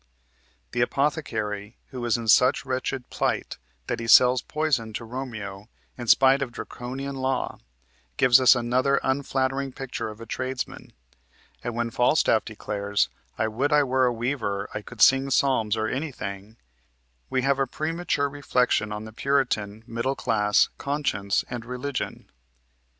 The apothecary who is in such wretched plight that he sells poison to Romeo in spite of a Draconian law, gives us another unflattering picture of a tradesman; and when Falstaff declares, "I would I were a weaver; I could sing psalms or anything," we have a premature reflection on the Puritan, middle class conscience and religion.